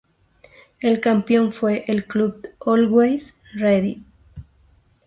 El Campeón fue el Club Always Ready.